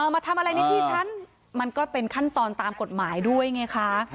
มาทำอะไรในที่ฉันมันก็เป็นขั้นตอนตามกฎหมายด้วยไงคะ